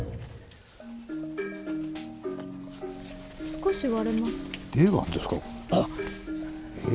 少し割れます。